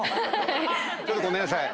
ちょっとごめんなさい。